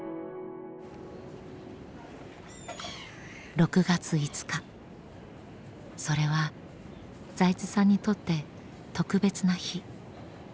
６月５日それは財津さんにとって特別な日。